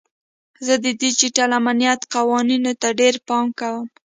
زه د ډیجیټل امنیت قوانینو ته ډیر پام کوم.